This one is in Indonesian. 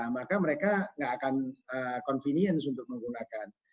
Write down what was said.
maka mereka tidak akan convenience untuk menggunakan